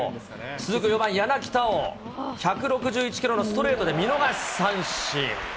続く柳田を１６１キロのストレートで見逃し三振。